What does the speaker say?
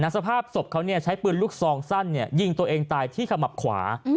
สภาพศพเขาใช้ปืนลูกซองสั้นยิงตัวเองตายที่ขมับขวา